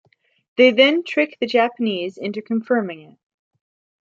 They then trick the Japanese into confirming it.